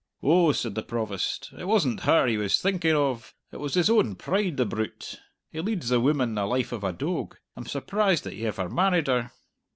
"Oh," said the Provost, "it wasn't her he was thinking of! It was his own pride, the brute. He leads the woman the life of a doag. I'm surprised that he ever married her!"